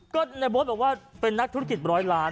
ก็ในโบ๊ทบอกว่าเป็นนักธุรกิจร้อยล้าน